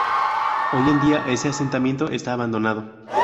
Hoy en día ese asentamiento está abandonado.